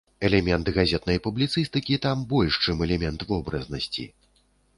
Элемент газетнай публіцыстыкі там больш, чым элемент вобразнасці.